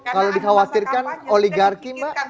kalau dikhawatirkan oligarki mbak